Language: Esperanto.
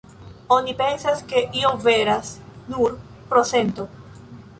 Oni pensas, ke io veras, nur pro sento.